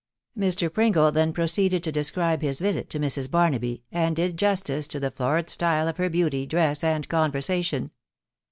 Mr, Pringle then proceeded to describe his visit to Mrs. Barnaby, and did justice to the florid style of her beauty, dress, and conversation.